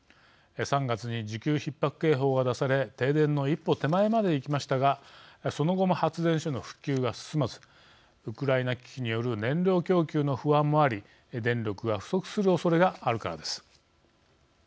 ３月に需給ひっ迫警報が出され停電の一歩手前までいきましたがその後も発電所の復旧が進まずウクライナ危機による燃料供給の不安もあり電力が不足するおそれがあるからです。